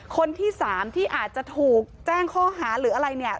คนที่๓ที่อาจจะถูกแจ้งข้อหาหรืออะไรเนี่ย